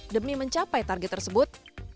demi mencapai target tersebut